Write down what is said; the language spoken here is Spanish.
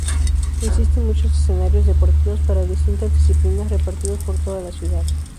Existen muchos escenarios deportivos para distintas disciplinas repartidos por toda la ciudad.